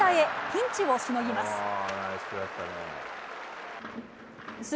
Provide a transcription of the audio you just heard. ピンチをしのぎます。